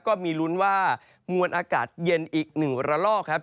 ก็มีลุ้นว่ามวลอากาศเย็นอีก๑ระลอกครับ